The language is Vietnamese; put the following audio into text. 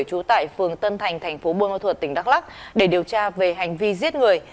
trú tại phường tân thành thành phố buôn ma thuật tỉnh đắk lắc để điều tra về hành vi giết người